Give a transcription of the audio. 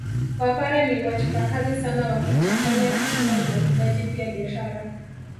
Wapare ni wachapakazi sana wakichanganya kilimo na ufugaji pia biashara